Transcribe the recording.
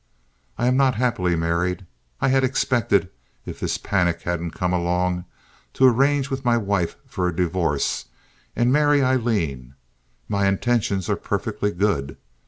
I am not happily married. I had expected, if this panic hadn't come along, to arrange with my wife for a divorce and marry Aileen. My intentions are perfectly good.